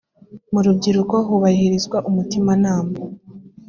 mu rubyiruko hubahirizwa umutimanama